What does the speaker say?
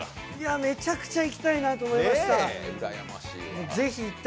めちゃくちゃ行きたいなと思いました。